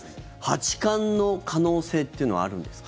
八冠の可能性っていうのはあるんですか。